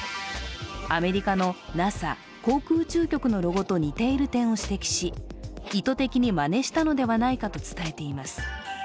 アメリカのＮＡＳＡ＝航空宇宙局のロゴと似ている点を指摘し意図的にまねしたのではないかと伝えています。